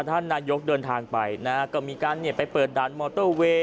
ท่านนายกเดินทางไปนะฮะก็มีการไปเปิดด่านมอเตอร์เวย์